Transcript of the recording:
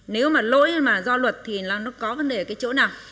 nếu mà lỗi mà do luật thì nó có vấn đề cái chỗ nào